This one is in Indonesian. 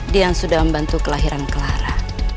dia yang sudah membantu kelahiran clara